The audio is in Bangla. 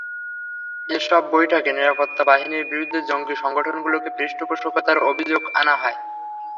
এসব বৈঠকে নিরাপত্তা বাহিনীর বিরুদ্ধে জঙ্গি সংগঠনগুলোকে পৃষ্ঠপোষকতার অভিযোগ আনা হয়।